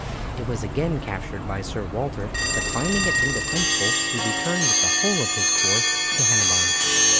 It was again captured by Sir Walter, but finding it indefensible he returned with the whole of his force to Hennebon.